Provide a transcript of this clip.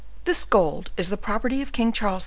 This gold is the property of King Charles II.